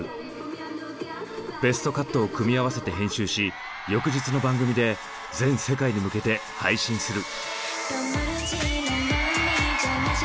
ベストカットを組み合わせて編集し翌日の番組で全世界に向けて配信する。